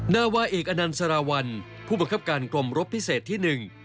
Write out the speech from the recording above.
นาวาเอกอนันต์สารวัลผู้บังคับการกรมรบพิเศษที่หนึ่ง